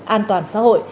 an toàn xã hội